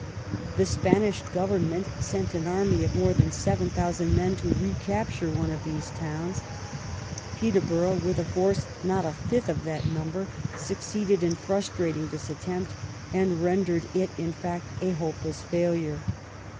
The Span ish government sent an army of more than seven thou sand men to recapture one of those towns. Peterbor ough, with a force not a fifth of that number, succeeded in frustrating this attempt, and rendered it, in fact, a hopeless failure.